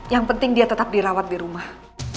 yang penting dia tetap dirawat di rumah